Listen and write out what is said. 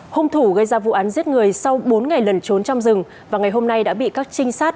hung thủ gây ra vụ án giết người sau bốn ngày lần trốn trong rừng và ngày hôm nay đã bị các trinh sát